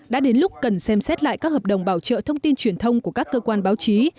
đã đến lúc cần xem xét lại các hợp đồng bảo trợ thông tin truyền thông của các cơ quan báo chí